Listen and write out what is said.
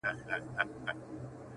خامخا یې کر د قناعت ثمر را وړی دی,